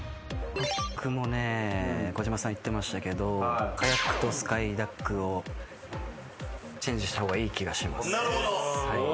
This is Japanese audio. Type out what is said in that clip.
僕もね児嶋さん言ってましたけどカヤックとスカイダックをチェンジした方がいい気がします。